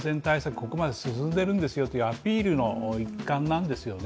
ここまで進んでるんですよというアピールの一環なんですよね